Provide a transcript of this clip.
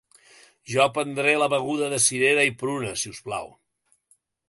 Jo prendré la beguda de cirera y pruna, si us plau.